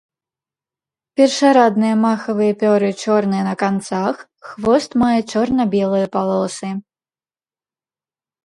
Першарадныя махавыя пёры чорныя на канцах, хвост мае чорна-белыя палосы.